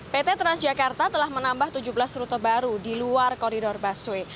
pt transjakarta telah menambah tujuh belas rute baru di luar koridor busway